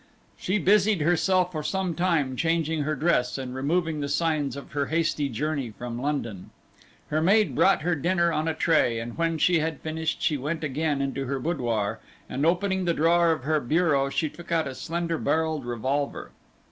She busied herself for some time changing her dress and removing the signs of her hasty journey from London. Her maid brought her dinner on a tray, and when she had finished she went again into her boudoir, and opening the drawer of her bureau she took out a slender barrelled revolver.